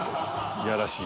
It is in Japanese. いやらしい。